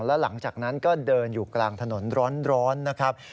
แล้วหลังจากนั้นก็เดินอยู่กลางถนนร้อนนะครับ